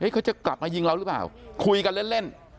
เขาจะกลับมายิงเราหรือเปล่าคุยกันเล่น